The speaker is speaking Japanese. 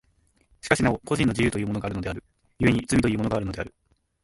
しかしなお個人の自由というものがあるのである、故に罪というものがあるのである。